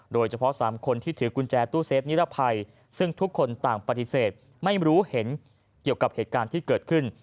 โดยเฉพาะ๓คนที่ถือกุญแจตู้เซฟนิรภัยซึ่งทุกคนต่างปฏิเสธไม่รู้เห็นเกี่ยวกับเหตุการณ์ที่เกิดขึ้น